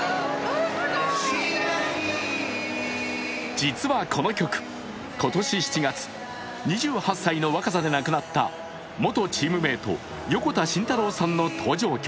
実はこの曲、今年７月、２８歳の若さで亡くなった元チームメイト、横田慎太郎さんの登場曲。